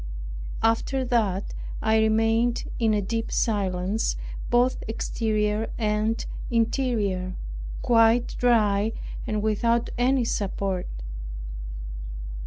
After that I remained in a deep silence, both exterior and interior, quite dry and without any support.